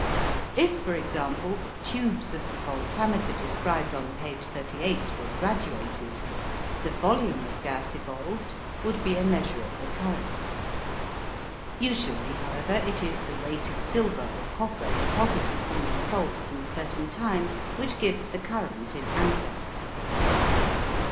If, for example, the tubes of the voltameter described on page 38 were graduated, the volume of gas evolved would be a measure of the current. Usually, however, it is the weight of silver or copper deposited from their salts in a certain time which gives the current in amperes.